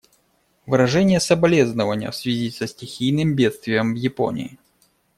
Выражение соболезнования в связи со стихийным бедствием в Японии.